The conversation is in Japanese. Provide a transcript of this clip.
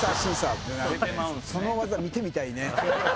その技見てみたいね。